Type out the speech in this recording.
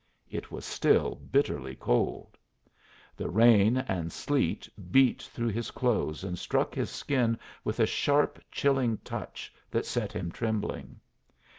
It was still bitterly cold. The rain and sleet beat through his clothes, and struck his skin with a sharp, chilling touch that set him trembling.